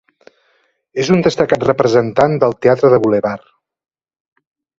És un destacat representant del teatre de bulevard.